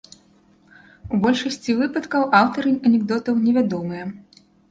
У большасці выпадкаў аўтары анекдотаў невядомыя.